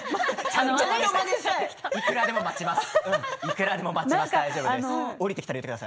いくらでも待ちます。